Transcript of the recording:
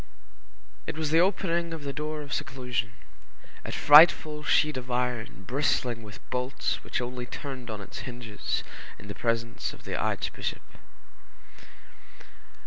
It was the opening of the door of seclusion, a frightful sheet of iron bristling with bolts which only turned on its hinges in the presence of the archbishop.